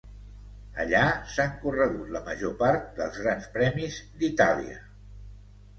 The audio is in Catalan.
Allà s'han corregut la major part dels grans premis d'Itàlia.